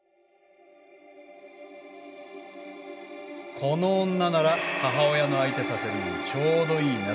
この女なら母親の相手させるのにちょうどいいなって。